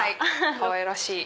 かわいらしい。